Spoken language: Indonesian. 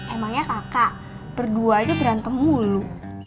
emangnya kakak berduanya berantem mulu